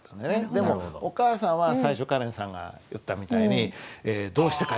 でもお母さんは最初カレンさんが言ったみたいに「どうして帰ってくるんだよ